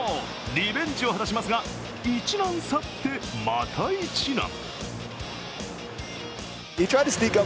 リベンジを果たしますが、一難去ってまた一難。